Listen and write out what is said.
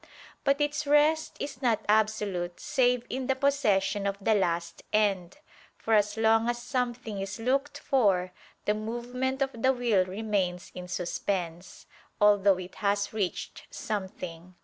But its rest is not absolute save in the possession of the last end: for as long as something is looked for, the movement of the will remains in suspense, although it has reached something.